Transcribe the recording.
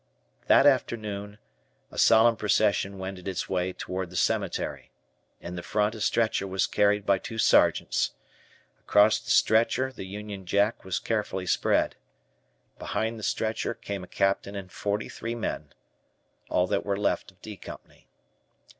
That afternoon, a solemn procession wended its way toward the cemetery. In the front a stretcher was carried by two Sergeants. Across the stretcher the Union Jack was carefully spread. Behind the stretcher came a Captain and forty three men, all that were left of "D" Company.